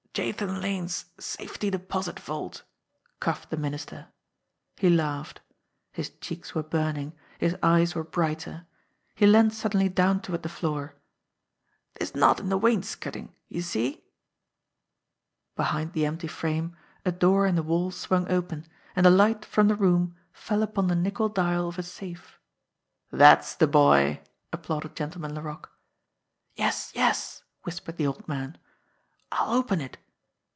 "Jathan Lane's safe deposit vault," coughed the Minister. He laughed. His cheeks were burning; his eyes were brighter. He leaned suddenly down toward the floor. "This knot in the wainscoting see?" Behind the empty frame, a door in the wall swung open and the light from the room fell upon the nickel dial of a safe. "That's the boy !" applauded Gentleman Laroque. "Yes, yes !" whispered the old man. "I'll open it